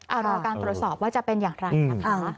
เอาหรอกการโปรดสอบว่าจะเป็นอย่างไรนะครับ